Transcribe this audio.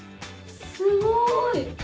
すごい！